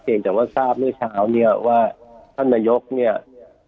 แต่ว่าทราบเมื่อเช้าเนี่ยว่าท่านนายกเนี่ย